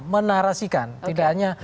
menarasikan tidak hanya